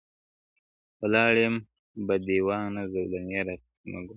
• ولاړم بندیوانه زولنې راپسي مه ګوره -